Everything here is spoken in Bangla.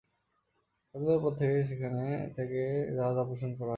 স্বাধীনতার পর অনেক বছর সেখান থেকে সেই জাহাজ অপসারণ করা হয়নি।